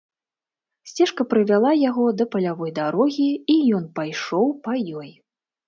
Сцежка прывяла яго да палявой дарогі, і ён пайшоў па ёй.